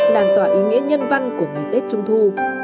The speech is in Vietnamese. làn tỏa ý nghĩa nhân văn của ngày tết trung thu